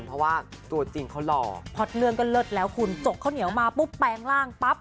เพราะว่าตัวจริงเขาหล่อพอเรื่องก็เลิศแล้วคุณจกข้าวเหนียวมาปุ๊บแปลงร่างปั๊บ